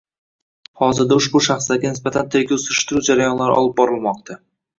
Hozirda ushbu shaxslarga nisbatan tergov-surishtiruv jarayonlari olib borilmoqda